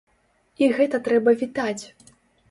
І гэта трэба вітаць!